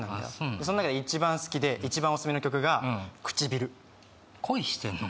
その中で一番好きで一番オススメの曲がくちびる恋してんの？